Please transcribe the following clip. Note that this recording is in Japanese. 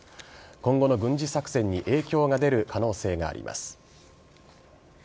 今後の軍事作戦に影響が出る可能性があります。